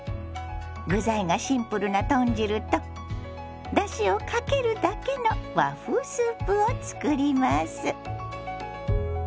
具材がシンプルな豚汁とだしをかけるだけの和風スープを作ります。